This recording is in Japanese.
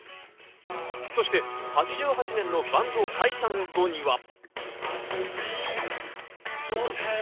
そして８８年のバンド解散後には。